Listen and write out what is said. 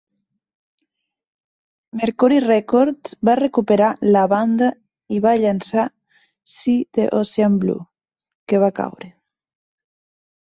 Mercury Records va recuperar la banda i va llançar See the Ocean Blue, que va caure.